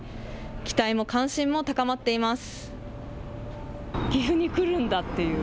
期待も関心も高まっています。